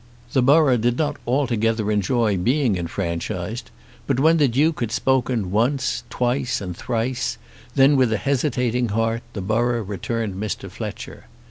The borough did not altogether enjoy being enfranchised. But when the Duke had spoken once, twice, and thrice, then with a hesitating heart the borough returned Mr. Fletcher.